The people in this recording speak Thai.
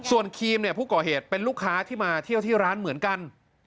ส่วนครีมเนี่ยผู้ก่อเหตุเป็นลูกค้าที่มาเที่ยวที่ร้านเหมือนกัน